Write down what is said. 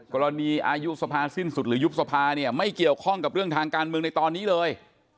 กรณีอายุสภาสิ้นสุดหรือยุบสภาเนี่ยไม่เกี่ยวข้องกับเรื่องทางการเมืองในตอนนี้เลย